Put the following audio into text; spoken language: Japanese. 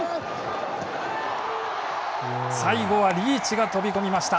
最後はリーチが飛び込みました。